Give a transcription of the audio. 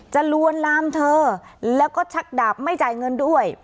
ลวนลามเธอแล้วก็ชักดาบไม่จ่ายเงินด้วย